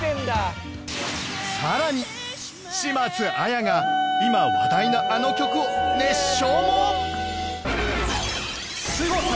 さらに島津亜矢が今話題のあの曲を熱唱も！